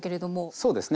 そうですね。